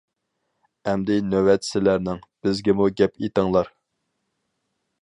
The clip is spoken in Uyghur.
ئەمدى نۆۋەت سىلەرنىڭ، بىزگىمۇ گەپ ئېتىڭلار.